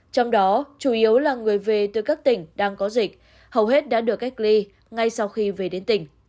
trong đó chủ yếu là người về từ các tỉnh đang có dịch hầu hết đã được cách ly ngay sau khi về đến tỉnh